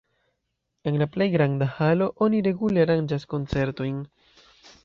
En la plej granda halo oni regule aranĝas koncertojn.